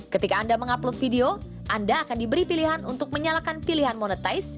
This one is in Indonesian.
ketika anda mengupload video anda akan diberi pilihan untuk menyalakan pilihan monetize